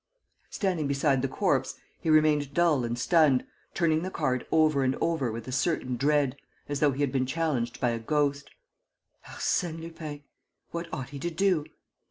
Standing beside the corpse, he remained dull and stunned, turning the card over and over with a certain dread, as though he had been challenged by a ghost. Arsène Lupin! What ought he to do?